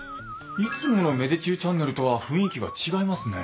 いつもの芽出中チャンネルとは雰囲気が違いますね。